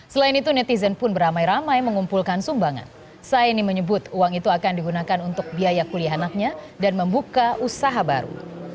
selain itu netizen pun beramai ramai mengumpulkan sumbangan saini menyebut uang itu akan digunakan untuk biaya kuliah anaknya dan membuka usaha baru